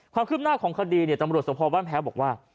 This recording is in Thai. ความขึ้นหน้าของคดีเนี่ยตำรวจสมพบันแพ้บอกว่า